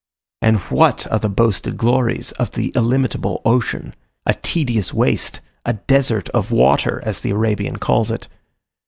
And what are the boasted glories of the illimitable ocean. A tedious waste, a desert of water, as the Arabian calls it.